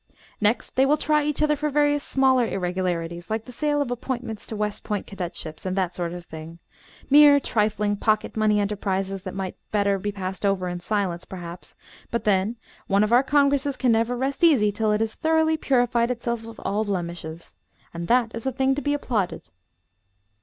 "Next they will try each other for various smaller irregularities, like the sale of appointments to West Point cadetships, and that sort of thing mere trifling pocket money enterprises that might better be passed over in silence, perhaps, but then one of our Congresses can never rest easy till it has thoroughly purified itself of all blemishes and that is a thing to be applauded."